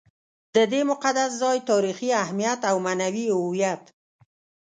د دې مقدس ځای تاریخي اهمیت او معنوي هویت.